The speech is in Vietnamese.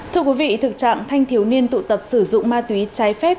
thưa quý vị thực trạng thanh thiếu niên tụ tập sử dụng ma túy trái phép